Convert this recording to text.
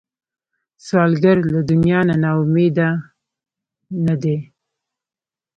سوالګر له دنیا نه نا امیده نه دی